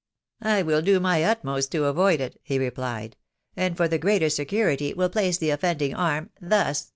I will do my utmost to avoid it," he replied, " and for the greater security will place the offending arm thus